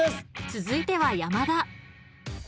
［続いては山田］